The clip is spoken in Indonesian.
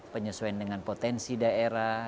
penyesuaian dengan potensi daerah